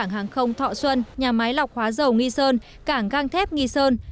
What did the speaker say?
cảng hàng không thọ xuân nhà máy lọc hóa dầu nghi sơn cảng gang thép nghi sơn